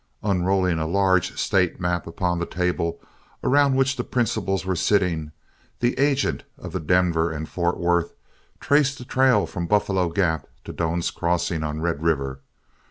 Unrolling a large state map upon the table, around which the principals were sitting, the agent of the Denver and Fort Worth traced the trail from Buffalo Gap to Doan's Crossing on Red River.